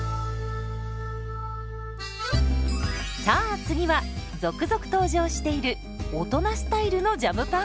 さあ次は続々登場している大人スタイルのジャムパン。